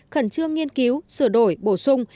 khẩn trương nghiên cứu sửa đổi bổ sung